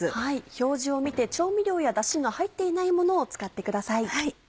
表示を見て調味料やだしが入っていないものを使ってください。